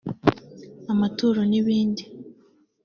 amaturo n’ibindi